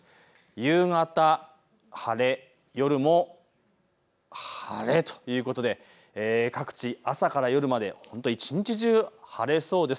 夕方晴れ、夜も晴れということで各地、朝から夜まで一日中晴れそうです。